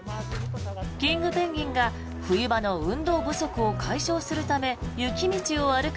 キングペンギンが冬場の運動不足を解消するため雪道を歩く